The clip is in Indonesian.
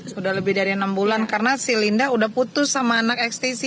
sudah lebih dari enam bulan karena si linda udah putus sama anak ekstsi